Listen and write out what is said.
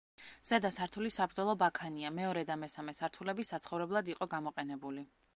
ზედა სართული საბრძოლო ბაქანია, მეორე და მესამე სართულები საცხოვრებლად იყო გამოყენებული.